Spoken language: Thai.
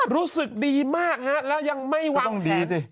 รู้สึกดีมากครับแล้วยังไม่วางแผน